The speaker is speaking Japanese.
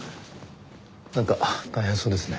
なんか大変そうですね。